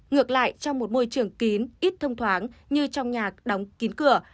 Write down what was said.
ngược lại trong một môi trường kín ít thông thoáng như trong nhạc đóng kín cửa